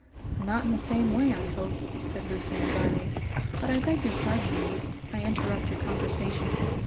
"Not in the same way, I hope," said Lucian dryly. "But I beg your pardon, Link, I interrupt your conversation."